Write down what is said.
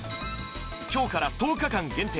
今日から１０日間限定